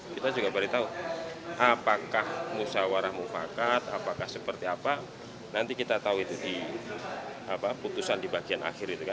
kita juga beritahu apakah musyawarah mufakat apakah seperti apa nanti kita tahu itu di putusan di bagian akhir itu kan